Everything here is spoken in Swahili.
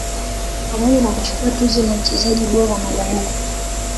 pamoja na kuchukua tuzo ya mchezaji bora mara nne